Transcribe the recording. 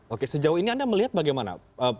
oke sejauh ini anda melihat bagaimana